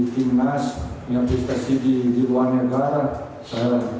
punya prestasi di timnas punya prestasi di luar negara